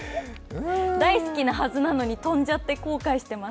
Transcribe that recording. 大好きなはずなのに飛んじゃって後悔してます。